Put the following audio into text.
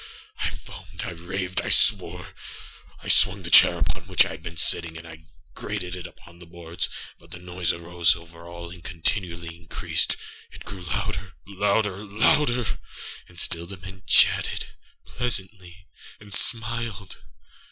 I foamedâI ravedâI swore! I swung the chair upon which I had been sitting, and grated it upon the boards, but the noise arose over all and continually increased. It grew louderâlouderâlouder! And still the men chatted pleasantly, and smiled.